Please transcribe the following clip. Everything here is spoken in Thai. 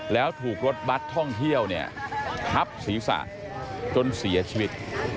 แล้วถูกรถบัตรท่องเที่ยวเนี่ยทับศีรษะจนเสียชีวิต